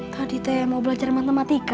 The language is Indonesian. tadi teh mau belajar matematika